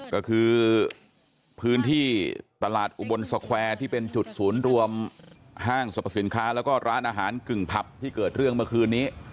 ก็คือพื้นที่ตลาดอุบลสแควร์ที่เป็นจุดศูนย์รวมห้างสรรพสินค้าแล้วก็ร้านอาหารกึ่งผับที่เกิดเรื่องเมื่อคืนนี้